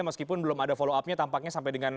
meskipun belum ada follow upnya tampaknya sampai dengan